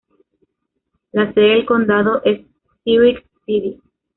La sede del condado es Sioux City.